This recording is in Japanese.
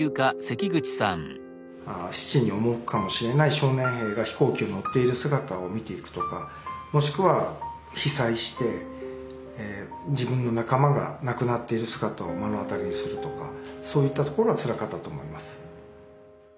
死地に赴くかもしれない少年兵が飛行機を乗っている姿を見ていくとかもしくは被災して自分の仲間が亡くなっている姿を目の当たりにするとかそういったところはつらかったと思います。